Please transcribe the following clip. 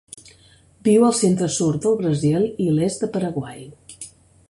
Viu al centre-sud del Brasil i l'est del Paraguai.